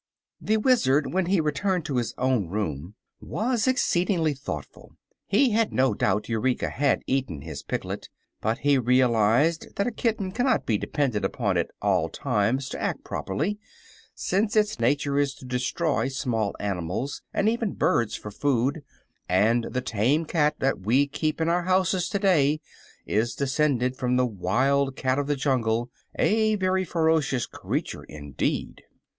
The Wizard, when he returned to his own room, was exceedingly thoughtful. He had no doubt Eureka had eaten his piglet, but he realized that a kitten cannot be depended upon at all times to act properly, since its nature is to destroy small animals and even birds for food, and the tame cat that we keep in our houses today is descended from the wild cat of the jungle a very ferocious creature, indeed.